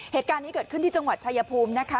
เหตุการณ์นี้เกิดขึ้นที่จังหวัดชายภูมินะคะ